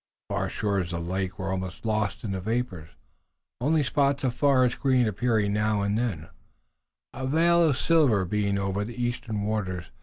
The far shores of the lake were almost lost in the vapors, only spots of forest green appearing now and then, a veil of silver being over the eastern waters.